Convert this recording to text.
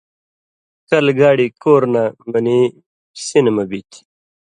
کلہۡ گاڑی کور نہ منی سِنہۡ مہ بی تھی۔